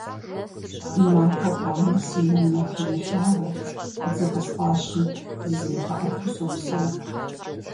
Махуэ хъуамэ си нэм нэху имылъагъуу, дзы къысфӀащым зызимыгъэӀэту сопсэу.